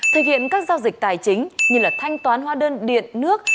thực hiện các giao dịch tài chính như thanh toán hóa đơn điện nước